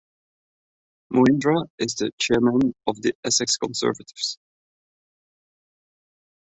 Mohindra is the chairman of the Essex Conservatives.